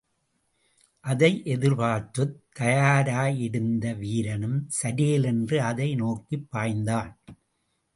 அதை எதிர்பார்த்துத் தயாராயிருந்த வீரனும் சரேலென்று அதை நோக்கிப் பாய்ந்தான்.